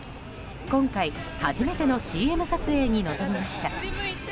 今回、初めてのＣＭ撮影に臨みました。